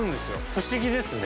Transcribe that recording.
不思議ですね。